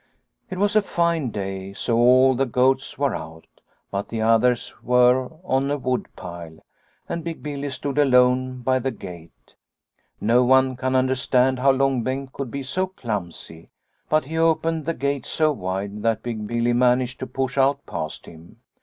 It was a fine day, so all the goats were out. But the others were on a wood pile, and Big Billy stood alone by the gate. " No one can understand how Long Bengt could be so clumsy, but he opened the gate so wide that Big Billy managed to push out past him.